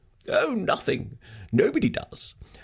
"Oh, nothing! Nobody does.